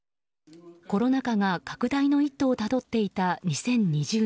コロナ禍が拡大の一途をたどっていた２０２０年。